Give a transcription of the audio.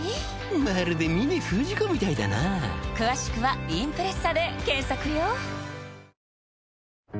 まるで峰不二子みたいだな詳しくは「インプレッサ」で検索よ！